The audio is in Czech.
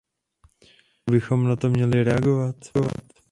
Jak bychom na to měli reagovat?